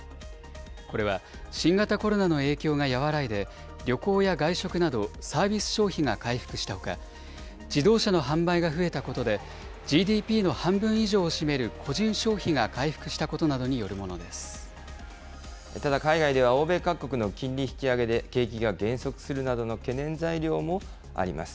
これは新型コロナの影響が和らいで、旅行や外食などサービス消費が回復したほか、自動車の販売が増えたことで、ＧＤＰの半分以上を占める個人消費が回復したことなどによるものただ海外では、欧米各国の金利引き上げで景気が減速するなどの懸念材料もあります。